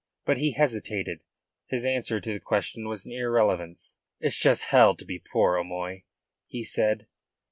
But he hesitated. His answer to the question was an irrelevance. "It's just hell to be poor, O'Moy," he said.